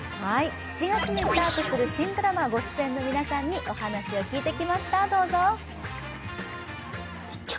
７月にスタートする新ドラマにご出演の皆さんにお話を聞いてきました。